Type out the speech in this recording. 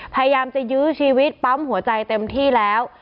พยายามจะยื้อชีวิตปั๊มหัวใจเต็มที่แล้ว